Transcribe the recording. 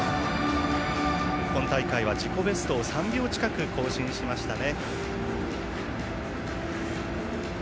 今大会は自己ベストを３秒近く更新しましたね。